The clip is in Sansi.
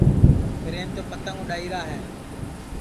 پِریم تو پتنٚگ اُڈؔائیرا ہے